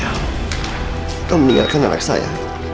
atau meninggalkan anak saya